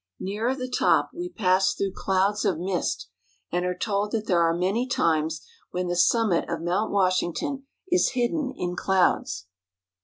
Nearer the top we pass through clouds of mist, and are told that there are many times when the summit of Mount Washington is hidden in clouds.